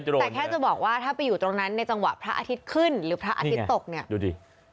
แต่แค่จะบอกว่าถ้าไปอยู่ตรงนั้นในจังหวะพระอาทิตย์ขึ้นหรือพระอาทิตย์ตกเนี่ยดูดิ